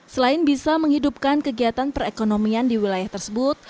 selain bisa menghidupkan kegiatan perekonomian di wilayah tersebut